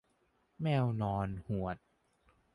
แมวนอนหวด